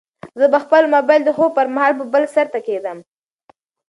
زه به خپل موبایل د خوب پر مهال په بل سرته کېږدم.